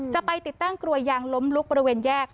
จะไปติดตั้งกลัวยางล้มลุกบริเวณแยก